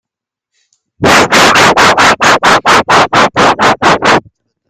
Sa carrière démarre au Théâtre d'art dramatique russe de Lituanie, à Vilnius.